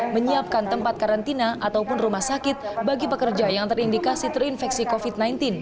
menyiapkan tempat karantina ataupun rumah sakit bagi pekerja yang terindikasi terinfeksi covid sembilan belas